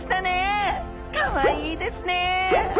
かわいいですねえ。